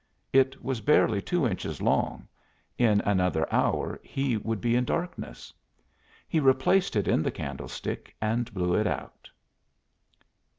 It was barely two inches long; in another hour he would be in darkness. He replaced it in the candlestick and blew it out.